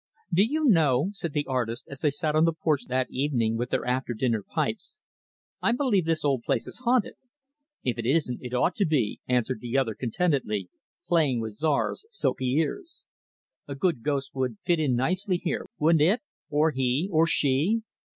"Do you know," said the artist, as they sat on the porch that evening, with their after dinner pipes, "I believe this old place is haunted." "If it isn't, it ought to be," answered the other, contentedly playing with Czar's silky ears. "A good ghost would fit in nicely here, wouldn't it or he, or she.